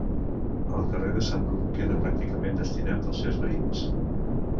El carrer de Sant Bru queda pràcticament destinat als seus veïns.